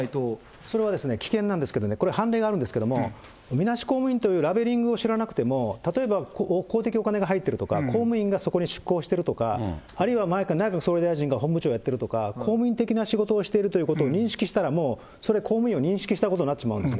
それは危険なんですけどね、これ、判例があるんですけれども、みなし公務員というラベリングを知らなくても、例えば公的なお金が入ってるとか、公務員がそこに出向してるとか、あるいは内閣総理大臣が本部長をやってるとか、公務員的な仕事をしているということを認識したらもう、それ、公務員を認識したことになってしまうんですよ。